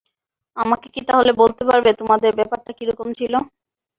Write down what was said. আমাকে কি তাহলে বলতে পারবে তোমাদের ব্যাপারটা কীরকম ছিল?